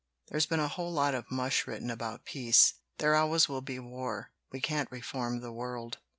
There's been a whole lot of mush written about peace. There always will be war. We can't reform the world.